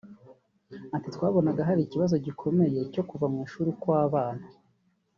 Ati “Twabonaga hari ikibazo gikomeye cyo kuva mu ishuri kw’abana